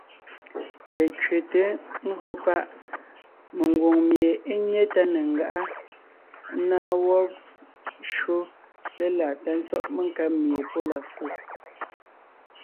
Lekẅeté (ńgÿo páʼ ) mengwòŋ mie é nyé tá ne ńgáʼa, ńnáa wɔ́b shÿó léláʼ tá tsɔ́ʼ menkáb mie pɔ́ la fu,